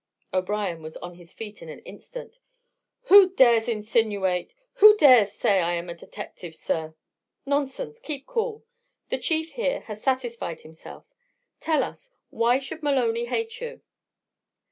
O'Brien was on his feet in an instant. "Who dares insinuate who dares say I am a detective, sir?" "Nonsense! Keep cool. The Chief here has satisfied himself. Tell us why should Maloney hate you?"